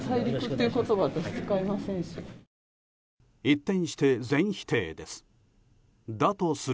一転して、全否定です。